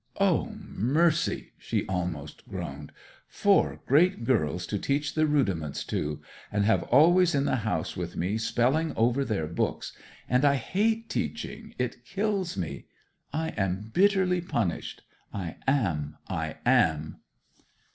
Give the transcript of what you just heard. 'O, mercy!' she almost moaned. 'Four great girls to teach the rudiments to, and have always in the house with me spelling over their books; and I hate teaching, it kills me. I am bitterly punished I am, I am!'